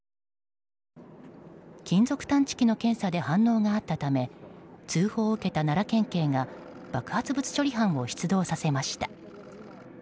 金属探知機の検査で反応があったため通報を受けた奈良県警が爆発物処理班を出動させました。